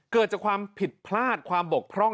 เกิดจากความผิดพลาดความบกพร่อง